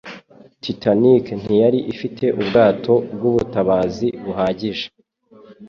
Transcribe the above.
Titanic ntiyari ifite ubwato bw'ubutabazi buhagije